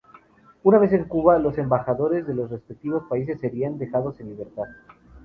Una vez en Cuba, los embajadores de los respectivos países serían dejados en libertad.